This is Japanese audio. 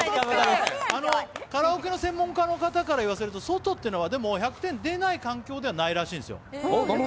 カラオケの専門家の方から言わせると、外っていうのは１００点出ない環境ではないらしいんですよ。